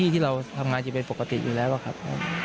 ที่เราทำงานจะเป็นปกติอยู่แล้วครับ